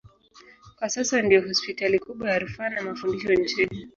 Kwa sasa ndiyo hospitali kubwa ya rufaa na mafundisho nchini.